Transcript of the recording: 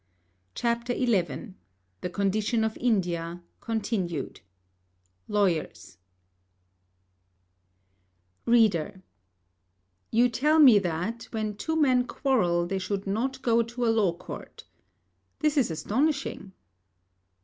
CHAPTER XI THE CONDITION OF INDIA (Continued) LAWYERS READER: You tell me that, when two men quarrel, they should not go to a law court. This is astonishing.